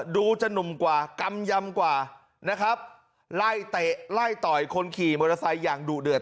ดูจะหนุ่มกว่ากำยำกว่านะครับไล่เตะไล่ต่อยคนขี่มอเตอร์ไซค์อย่างดุเดือด